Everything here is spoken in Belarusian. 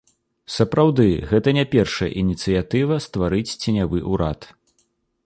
Сапраўды, гэта не першая ініцыятыва стварыць ценявы ўрад.